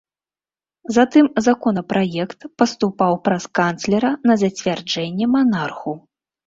Затым законапраект паступаў праз канцлера на зацвярджэнне манарху.